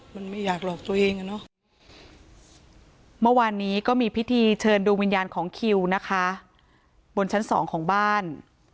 เมื่อวานนี้ก็มีพิธีเชิญดวงวิญญาณของคิวนะคะบนชั้นสองของบ้าน